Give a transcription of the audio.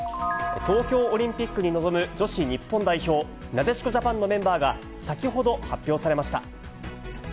東京オリンピックに臨む女子日本代表、なでしこジャパンのメンバーが、先ほど発表されました。